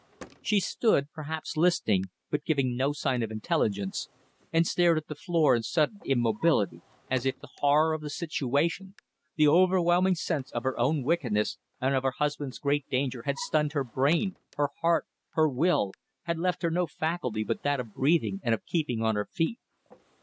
She stood perhaps listening but giving no sign of intelligence, and stared at the floor in sudden immobility, as if the horror of the situation, the overwhelming sense of her own wickedness and of her husband's great danger, had stunned her brain, her heart, her will had left her no faculty but that of breathing and of keeping on her feet.